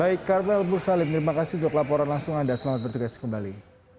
baik karpel bursalim terima kasih untuk laporan langsung anda selamat berjaga jaga kembali